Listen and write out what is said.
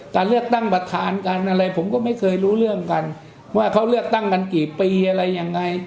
การเลือกตั้งประธานกันอะไรผมก็ไม่เคยรู้เรื่องกันว่าเขาเลือกตั้งกันกี่ปีอะไรยังไง